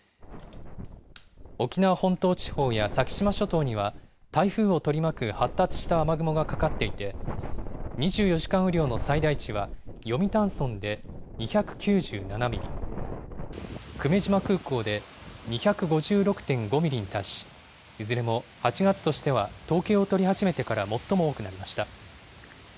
沖縄本島地方や先島諸島には台風を取り巻く発達した雨雲がかかっていて、２４時間雨量の最大値は読谷村で２９７ミリ、久米島空港で２５６．５ミリに達し、いずれも８月としては統計を取り始めてから最も多くなりました。